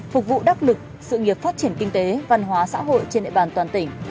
phục vụ đắc lực sự nghiệp phát triển kinh tế văn hóa xã hội trên địa bàn toàn tỉnh